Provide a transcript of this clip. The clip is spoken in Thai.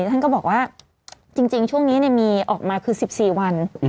ท่านก็บอกว่าจริงช่วงนี้มีออกมาคือ๑๔วัน